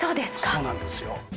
そうなんですよ。